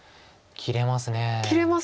切れますよね。